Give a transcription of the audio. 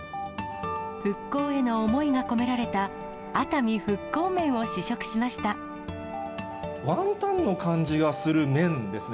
復興への思いが込められた熱ワンタンの感じがする麺ですね。